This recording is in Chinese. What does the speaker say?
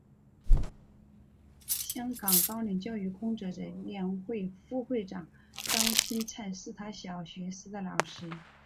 香港高龄教育工作者联会副会长张钦灿是他小学时的老师。